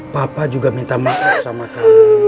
papa juga minta maaf sama kami